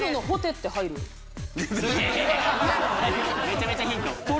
めちゃめちゃヒント。